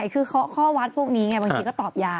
คือข้อวัดพวกนี้ไงบางทีก็ตอบยา